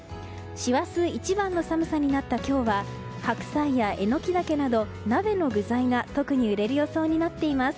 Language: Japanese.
師走一番の寒さになった今日は白菜やエノキダケなど鍋の具材が特に売れる予想になっています。